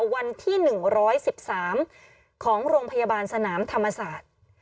วันที่๑๑๓ของโรงพยาบาลสนามธรรมศาสตร์